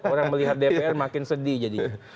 orang melihat dpr makin sedih jadi